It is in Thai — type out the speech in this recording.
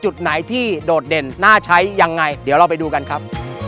จุดไหนที่โดดเด่นน่าใช้ยังไงเดี๋ยวเราไปดูกันครับ